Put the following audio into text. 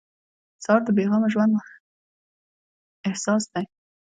سهار د بې غمه ژوند احساس دی.